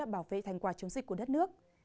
bảo vệ thành quả chống dịch của đất nước